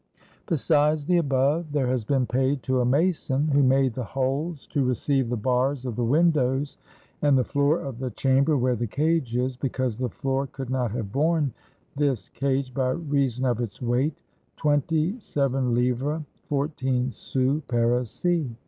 "Besides the above, there has been paid to a mason who made the holes to receive the bars of the windows, and the floor of the chamber where the cage is, because the floor could not have borne this cage by reason of its weight — twenty seven livres, fourteen sous parisis."